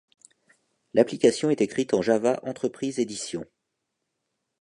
L'application est écrite en Java Entreprise Edition.